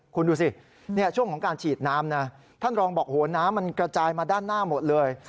คุณดูสิช่วงของการฉีดน้ำนะท่านรองบอกโหน้ำมันกระจายมาด้านหน้าหมดเลย